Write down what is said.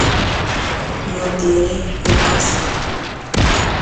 Ndorekoivoi imbojojaha